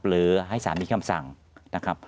หรือให้สารมีคำสั่งนะครับ